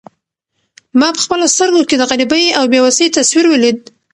ما په خپلو سترګو کې د غریبۍ او بې وسۍ تصویر ولید.